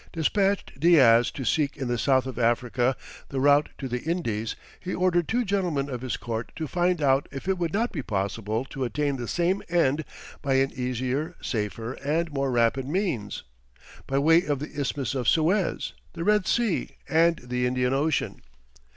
despatched Diaz to seek in the south of Africa the route to the Indies, he ordered two gentlemen of his court to find out if it would not be possible to attain the same end by an easier, safer, and more rapid means; by way of the isthmus of Suez, the Red Sea, and the Indian Ocean.